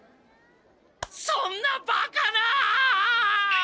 そんなバカな！